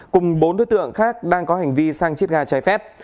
cùng bốn đối tượng khác đang có hành vi sang chiết ga trái phép